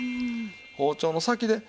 包丁の先で。